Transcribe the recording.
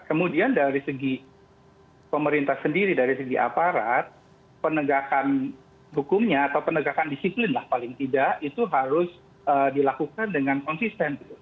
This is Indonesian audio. kemudian dari segi pemerintah sendiri dari segi aparat penegakan hukumnya atau penegakan disiplin lah paling tidak itu harus dilakukan dengan konsisten